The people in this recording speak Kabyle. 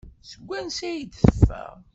Seg wansi ay d-teffeɣ?